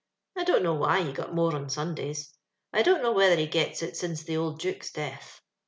I don't know why he got more on Sundays. I don't know whether he gets it since the old Duke's death.